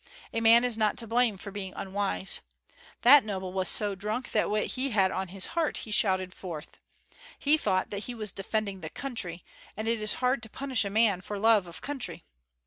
A man is not to blame for being unwise. That noble was so drunk that what he had on his heart he shouted forth. He thought that he was defending the country, and it is hard to punish a man for love of country.